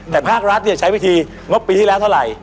แต่ภาครัฐใช้วิธีงบปีที่แล้วเท่าไหร่